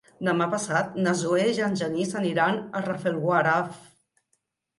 Demà passat na Zoè i en Genís aniran a Rafelguaraf.